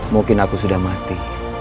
mungkin aku sudah mati